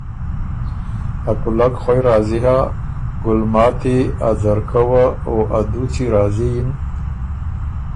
ا کُولک خوئ راضی هۀ، ګلماتی، ا ځرکۀ وه او ا دُوچی راضی یِن۔